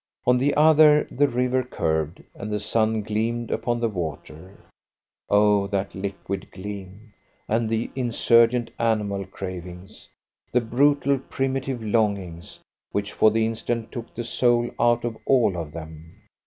On the other the river curved, and the sun gleamed upon the water. Oh, that liquid gleam, and the insurgent animal cravings, the brutal primitive longings, which for the instant took the soul out of all of them!